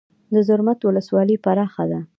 د زرمت ولسوالۍ پراخه ده